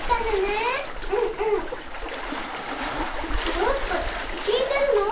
ちょっときいてるの？